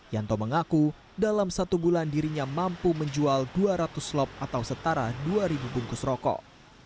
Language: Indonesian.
yanto mengaku dalam satu bulan dirinya mampu menjual dua ratus lop atau setara dua ribu bungkus rokok